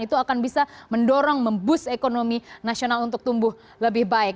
itu akan bisa mendorong memboost ekonomi nasional untuk tumbuh lebih baik